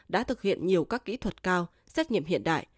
đã thực hiện nhiều các kỹ thuật cao xét nghiệm hiện đại